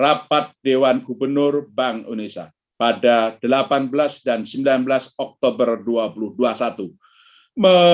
rapat dewan gubernur bank indonesia pada delapan belas dan sembilan belas oktober dua ribu dua puluh satu